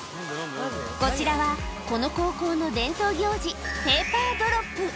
こちらは、この高校の伝統行事、ペーパードロップ。